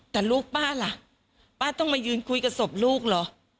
แต่ลูกป้าล่ะป้าต้องมายืนคุยกับศพลูกเหรอ